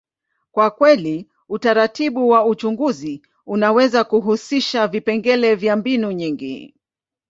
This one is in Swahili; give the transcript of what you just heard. kwa kweli, utaratibu wa uchunguzi unaweza kuhusisha vipengele vya mbinu nyingi.